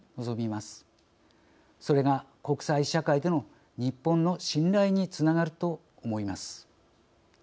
それが国際社会での日本の信頼につながると思います。